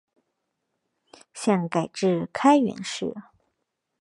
现改置开原市。